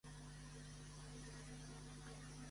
El Time Building (Edifici del Temps) estava davant de l'edifici d'Eaton.